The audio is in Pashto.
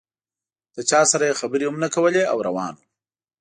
له چا سره یې خبرې هم نه کولې او روان و.